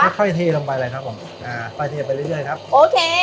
ค่อยค่อยทีลงไปเลยครับผมอ่าค่อยทีลงไปเรื่อยเรื่อยครับโอเค